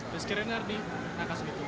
rizky renardi rangkas bitung